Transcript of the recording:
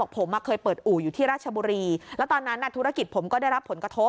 ผมเคยเปิดอู่อยู่ที่ราชบุรีแล้วตอนนั้นธุรกิจผมก็ได้รับผลกระทบ